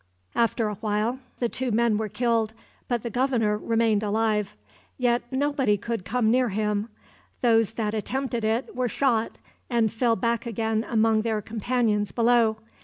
] After a while the two men were killed, but the governor remained alive. Yet nobody could come near him. Those that attempted it were shot, and fell back again among their companions below.